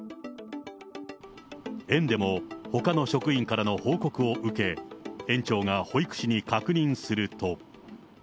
園でもほかの職員からの報告を受け、園長が保育士に確認すると。